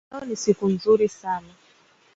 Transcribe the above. Leo ni siku nzuri sana